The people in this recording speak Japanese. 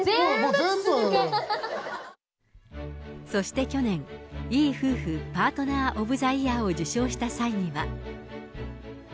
そして去年、いい夫婦パートナー・オブ・ザ・イヤーを受賞した際には。